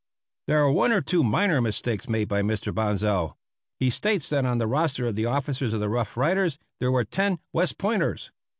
There are one or two minor mistakes made by Mr. Bonsal. He states that on the roster of the officers of the Rough Riders there were ten West Pointers.